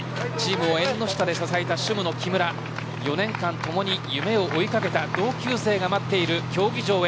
縁の下で支えた主務の木村４年間ともに夢を追いかけた同級生が待っている競技場へ。